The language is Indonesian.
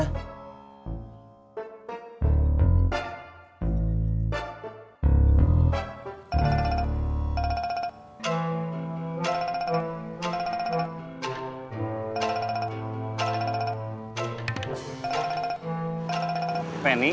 kalau dia nelfon aku nangis